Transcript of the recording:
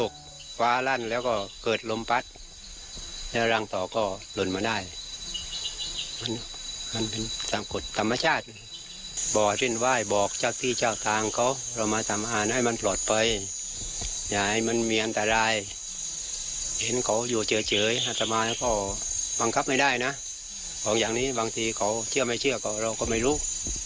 ของอย่างนี้บางทีเขาเชื่อไม่เชื่อเราก็ไม่รู้